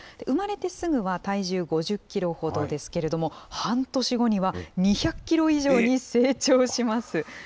生まれてすぐは、体重５０キロほどですけれども、半年後には、２００キロ以上に成長します。